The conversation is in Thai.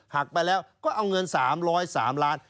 หักไปแล้วก็เอาเงิน๓๐๓ล้าน